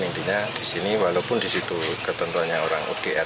intinya di sini walaupun di situ ketentuannya orang udr